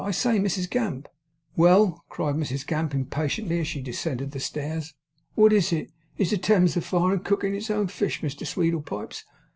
'I say! Mrs Gamp!' 'Well,' cried Mrs Gamp, impatiently, as she descended the stairs. 'What is it? Is the Thames a fire, and cooking its own fish, Mr Sweedlepipes?